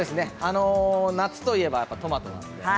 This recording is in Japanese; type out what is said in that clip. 夏といえばトマトですね。